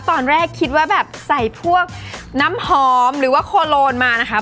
ตอนแรกคิดว่าแบบใส่พวกน้ำหอมหรือว่าโคโลนมานะคะ